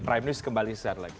prime news kembali sesaat lagi